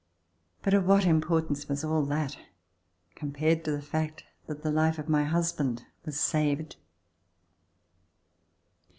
But of what importance was all that compared to the fact that the life of my husband was saved